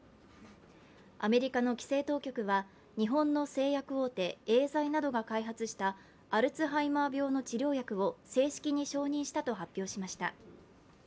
アメリカの規制当局は日本の製薬大手・エーザイなどが開発したアルツハイマー病の治療薬を正式に承認したと発表しました。